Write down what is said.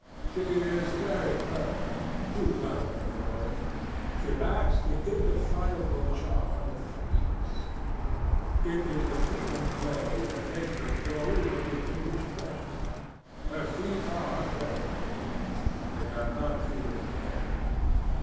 She is very clever, too clever for a woman. She lacks the indefinable charm of weakness. It is the feet of clay that make the gold of the image precious. Her feet are very pretty, but they are not feet of clay.